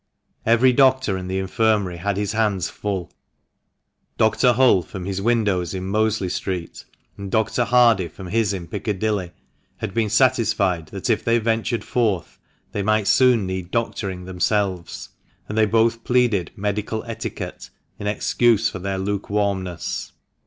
Every doctor in the Infirmary had his hands full ; Dr. Hull, from his windows in Mosley Street, and Dr. Hardie from his in Piccadilly, had been satisfied that if they ventured forth they might soon need doctoring themselves — and they both pleaded "medical etiquette" in excuse for their lukewarmness.